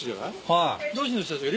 はい。